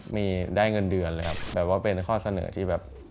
มีได้เงินเดือนเลยครับแบบว่าเป็นข้อเสนอที่แบบ